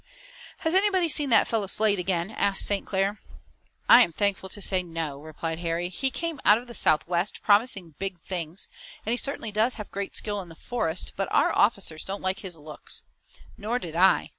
"Has anybody seen that fellow Slade again?" asked St. Clair. "I'm thankful to say no," replied Harry. "He came out of the Southwest promising big things, and he certainly does have great skill in the forest, but our officers don't like his looks. Nor did I.